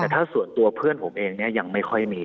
แต่ถ้าส่วนตัวเพื่อนผมเองเนี่ยยังไม่ค่อยมี